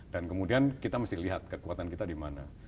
dan kemudian kita mesti lihat kekuatan kita di mana